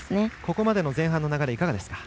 ここまでの前半の流れいかがですか？